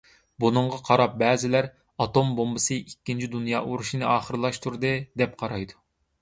بۇنىڭغا قاراپ بەزىلەر «ئاتوم بومبىسى ئىككىنچى دۇنيا ئۇرۇشىنى ئاخىرلاشتۇردى» دەپ قارايدۇ.